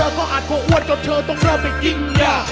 แล้วเธอก็อาจกลัวอ้วนจนเธอต้องเลิกไปกินยา